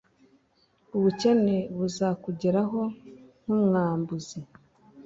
ubukene buzakugeraho nkumwambuzi